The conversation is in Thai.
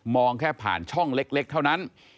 แค่ผ่านช่องเล็กเท่านั้น